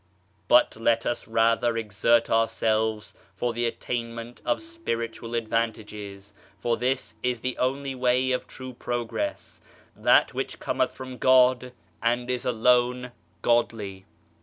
But let us rather exert ourselves for the attainment of Spiritual advantages, for this is the only way of true progress, that which cometh from God and is alone Godly.